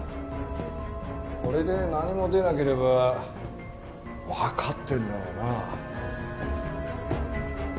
これで何も出なければわかってるんだろうな？